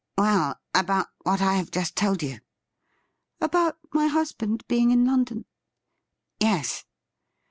'Well, about what I have just told you.' ' About my husband being in London i"' ' Yes.'